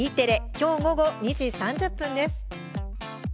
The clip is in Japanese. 今日、午後２時３０分です。